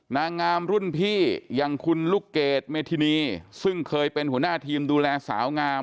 นางงามรุ่นพี่อย่างคุณลูกเกดเมธินีซึ่งเคยเป็นหัวหน้าทีมดูแลสาวงาม